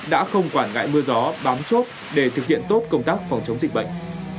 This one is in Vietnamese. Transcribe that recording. đã không quản ngại mưa gió bám chốt để thực hiện tốt công tác phòng chống dịch bệnh